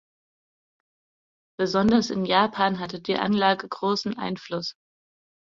Besonders in Japan hatte die Anlage großen Einfluss.